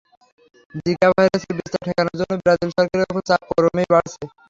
Zika ভাইরাসের বিস্তার ঠেকানোর জন্য ব্রাজিল সরকারের ওপর চাপ ক্রমেই বাড়ছে।